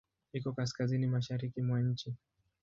Iko kaskazini-mashariki mwa nchi.